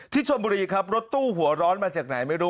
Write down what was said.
ชนบุรีครับรถตู้หัวร้อนมาจากไหนไม่รู้